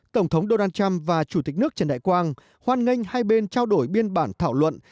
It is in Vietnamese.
tổng thống donald trump và chủ tịch nước trần đại quang hoan nghênh hai bên trao đổi biên bản thảo luận